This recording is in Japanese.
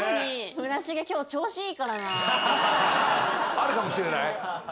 あるかもしれない？